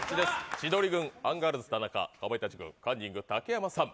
千鳥軍、アンガールズ田中かまいたち軍カンニング竹山さん